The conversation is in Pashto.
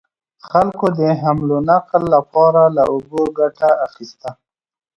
خلکو د حمل او نقل لپاره له اوبو ګټه اخیسته.